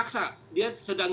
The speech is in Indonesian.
kejahatan dia bisa lepas juga